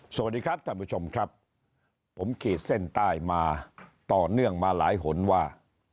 สวัสดีครับท่านผู้ชมครับผมขีดเส้นใต้มาต่อเนื่องมาหลายหนว่า